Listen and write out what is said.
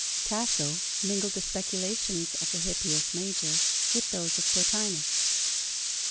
Tasso mingled the speculations of the Hippias major with those of Plotinus.